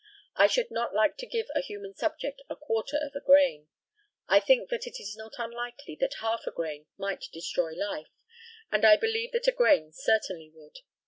I should not like to give a human subject a quarter of a grain. I think that it is not unlikely that half a grain might destroy life; and I believe that a grain certainly would.